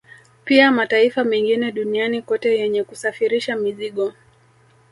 Pia mataifa mengine duniani kote yenye kusafirisha mizigo